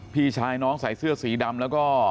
พี่ชายน้องใส่เสื้อสีดำแล้วก็